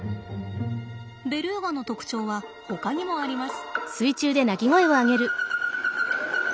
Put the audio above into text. ベルーガの特徴はほかにもあります。